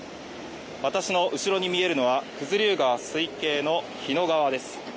私の後ろに見えるのは九頭竜川水系の日野川です